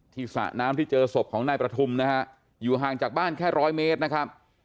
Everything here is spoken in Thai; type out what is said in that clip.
สระน้ำที่เจอศพของนายประทุมนะฮะอยู่ห่างจากบ้านแค่ร้อยเมตรนะครับ